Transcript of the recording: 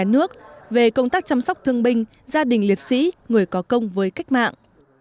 nhà nước về công tác chăm sóc thương binh gia đình liệt sĩ người có công với cách mạng